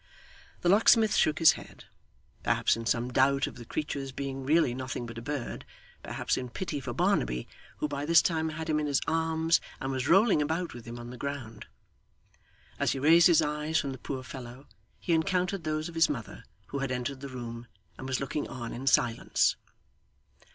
The locksmith shook his head perhaps in some doubt of the creature's being really nothing but a bird perhaps in pity for Barnaby, who by this time had him in his arms, and was rolling about, with him, on the ground. As he raised his eyes from the poor fellow he encountered those of his mother, who had entered the room, and was looking on in silence.